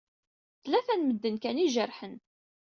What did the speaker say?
Tlata n medden kan i ijerḥen.